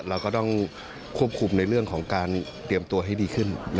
เราก็ต้องควบคุมในเรื่องของการเตรียมตัวให้ดีขึ้น